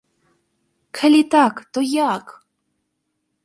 Калі так, то як?